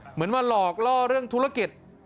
เหมือนมาหลอกล่อเรื่องธุรกิจ